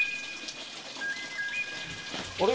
あれ？